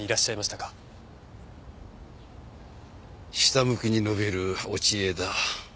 下向きに伸びる落ち枝。